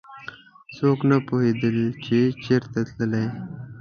څوک نه پوهېدل چې چېرته تللی.